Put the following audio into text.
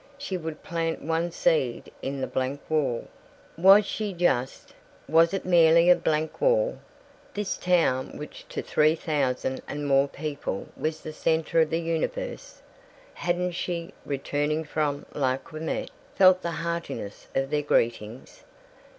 She would plant one seed in the blank wall. Was she just? Was it merely a blank wall, this town which to three thousand and more people was the center of the universe? Hadn't she, returning from Lac qui Meurt, felt the heartiness of their greetings?